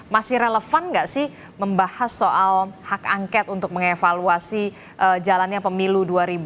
masih relevan nggak sih membahas soal hak angket untuk mengevaluasi jalannya pemilu dua ribu dua puluh